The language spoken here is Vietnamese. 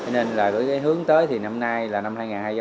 nên hướng tới năm nay năm hai nghìn hai mươi